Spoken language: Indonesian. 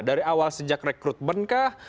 dari awal sejak rekrutmen kah